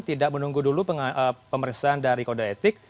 tidak menunggu dulu pemeriksaan dari kode etik